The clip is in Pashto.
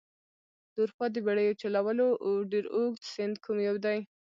د اروپا د بیړیو چلولو ډېر اوږد سیند کوم یو دي؟